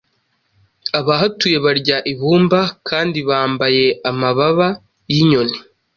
abahatuye barya ibumbakandi bambaye amababa yinyoni